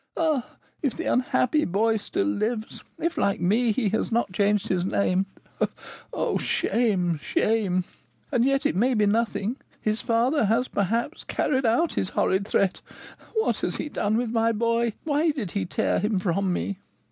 Ah! if the unhappy boy still lives if, like me, he has not changed his name oh, shame! shame! And yet it may be nothing: his father has, perhaps, carried out his horrid threat! What has he done with my boy? Why did he tear him from me?"